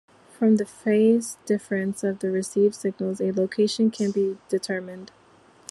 From the phase difference of the received signals, a location can be determined.